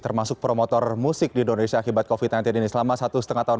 termasuk promotor musik di indonesia akibat covid sembilan belas ini selama satu setengah tahun